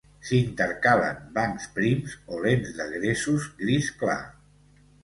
S'intercalen bancs prims o lents de gresos gris clar.